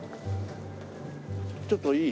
ちょっといい？